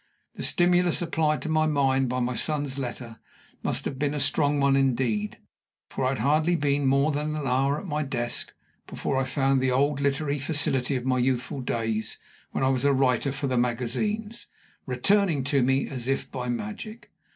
The stimulus applied to my mind by my son's letter must have been a strong one indeed, for I had hardly been more than an hour at my desk before I found the old literary facility of my youthful days, when I was a writer for the magazines, returning to me as if by magic.